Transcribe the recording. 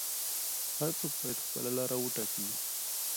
هر څوک باید خپله لاره وټاکي.